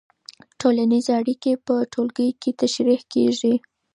ټولنیزې اړیکې په ټولګي کې تشریح کېږي.